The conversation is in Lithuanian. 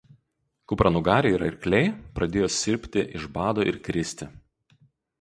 Kupranugariai ir arkliai pradėjo silpti iš bado ir kristi.